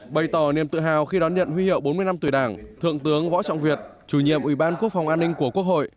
bày tỏ niềm tự hào khi đón nhận huy hiệu bốn mươi năm tuổi đảng thượng tướng võ trọng việt chủ nhiệm ủy ban quốc phòng an ninh của quốc hội